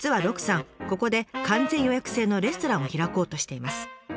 ここで完全予約制のレストランを開こうとしています。